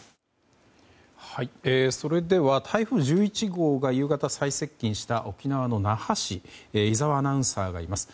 それでは、台風１１号が夕方、最接近した沖縄の那覇市に井澤アナウンサーがいます。